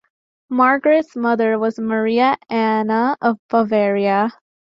Margaret's mother was Maria Anna of Bavaria.